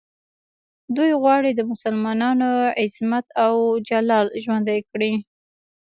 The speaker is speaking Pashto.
دوی غواړي د مسلمانانو عظمت او جلال ژوندی کړي.